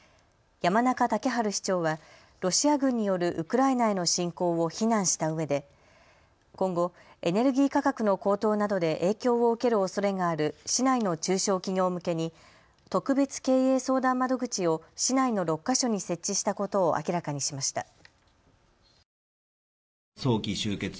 山中竹春市長はロシア軍によるウクライナへの侵攻を非難したうえで今後、エネルギー価格の高騰などで影響を受けるおそれがある市内の中小企業向けに特別経営相談窓口を市内の６か所に設置したことを明らかにしました。